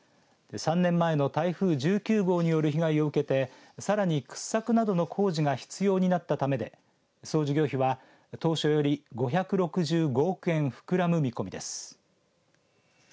３年前の台風１９号による被害を受けてさらに、掘削などの工事が必要になったためで総事業費は当初より５６５億円膨らむ見込みです。